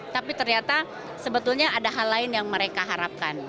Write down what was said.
tapi ternyata sebetulnya ada hal lain yang mereka harapkan